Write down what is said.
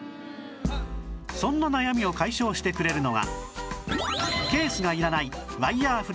そんな悩みを解消してくれるのが